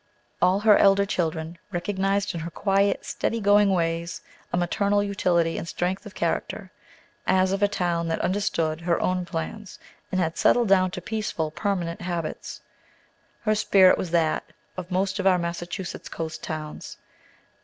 All her elder children recognized in her quiet steady going ways a maternal unity and strength of character, as of a town that understood her own plans, and had settled down to peaceful, permanent habits. Her spirit was that of most of our Massachusetts coast towns.